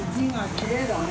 きれいだね。